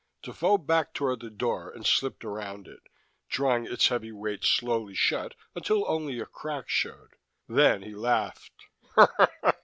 Defoe backed toward the door and slipped around it, drawing its heavy weight slowly shut until only a crack showed. Then he laughed.